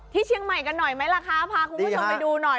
เชียงใหม่กันหน่อยไหมล่ะคะพาคุณผู้ชมไปดูหน่อย